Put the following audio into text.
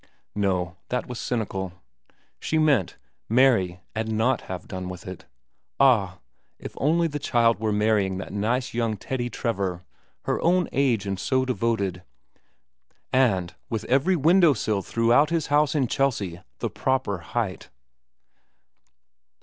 No ; that was cynical. She meant, marry and not have done with it. Ah, if only the child were marrying that nice young Teddy Trevor, her own age and so devoted, and with every window sill throughout his house in Chelsea the proper height.